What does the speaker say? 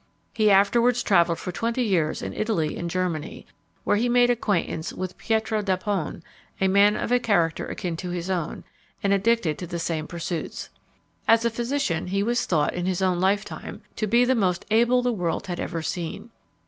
He afterwards travelled for twenty years in Italy and Germany, where he made acquaintance with Pietro d'Apone, a man of a character akin to his own, and addicted to the same pursuits. As a physician, he was thought, in his own lifetime, to be the most able the world had ever seen.